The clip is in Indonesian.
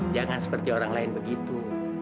jangan seperti orang lain begitu